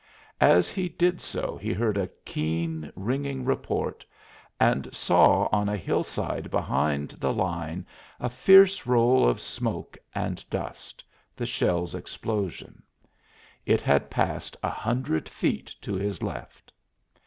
As he did so he heard a keen, ringing report, and saw on a hillside behind the line a fierce roll of smoke and dust the shell's explosion. It had passed a hundred feet to his left!